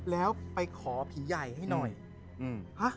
แล้วไปขอผีใหญ่ให้หนู